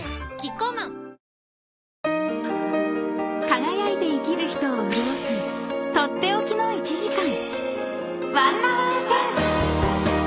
［輝いて生きる人を潤す取って置きの１時間］